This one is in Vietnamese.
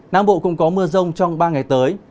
nam bộ cũng có mưa rông trong ba ngày tới